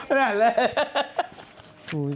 ไม่ได้เลย